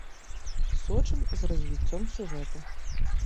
Сочым за развіццём сюжэту.